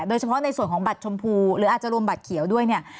โดยเฉพาะในส่วนของบัตรชมพูหรืออาจจะรวมบัตรเขียวด้วยเนี่ย